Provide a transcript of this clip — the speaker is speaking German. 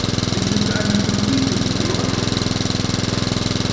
Ist es eine fiktive Figur?